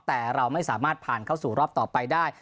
แต่เราไม่สามารถผ่านเข้าสู่รอบต่อไปได้